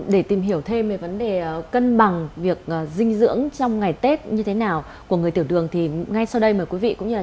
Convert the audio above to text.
để tìm hiểu thêm về vấn đề cân bằng việc dinh dưỡng trong ngày tết như thế nào của người tiểu đường thì ngay sau đây mời quý vị cũng như là